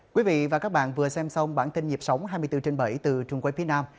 quý vị và các bạn vừa xem xong bản tin nhịp sống hai mươi bốn trên bảy từ trường quay phía nam